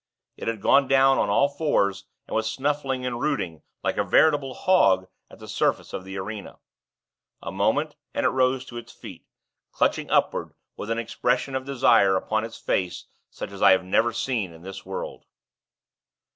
It had gone down on all fours and was snuffing and rooting, like a veritable hog, at the surface of the arena. A moment and it rose to its feet, clutching upward, with an expression of desire upon its face such as I have never seen in this world.